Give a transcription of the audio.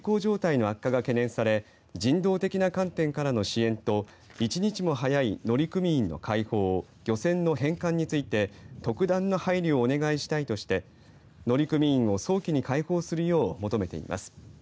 健康状態の悪化が懸念され人道的な観点からの支援と１日も早い乗組員の解放漁船の返還について特段の配慮をお願いしたいとして乗組員を早期に解放するよう求めています。